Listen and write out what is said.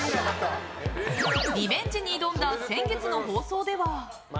リベンジに挑んだ先月の放送では。